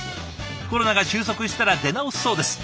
コロナが収束したら出直すそうです。